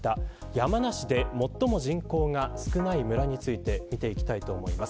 山梨で最も人口が少ない村について見ていきます。